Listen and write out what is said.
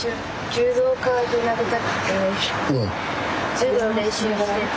柔道の練習してて。